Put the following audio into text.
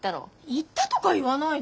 イったとか言わないで。